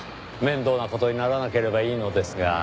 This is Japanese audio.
面倒な事にならなければいいのですが。